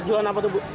jualan apa itu bu